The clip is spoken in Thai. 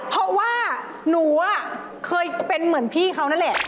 เพราะว่าหนูเคยเป็นเหมือนพี่เขานั่นแหละ